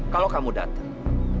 kalau kamu datang